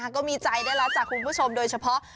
ก็มีใจได้แล้วจากคุณผู้ชมโดยเฉพาะ